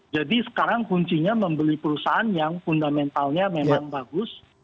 jadi sekarang kuncinya membeli perusahaan yang fundamentalnya memang bagus